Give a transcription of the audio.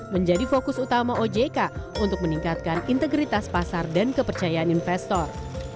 menjadi fokus utama ojk untuk meningkatkan integritas pasar dan kepercayaan investor